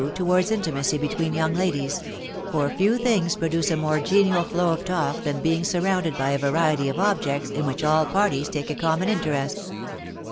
towards intimacy between young ladies; for few things pro duce a more genial flow of talk than the being surrounded by a variety of objects in which all parties take a, ttrcunoo. v&* teresl.